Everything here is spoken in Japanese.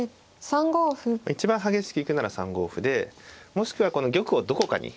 一番激しく行くなら３五歩でもしくはこの玉をどこかに。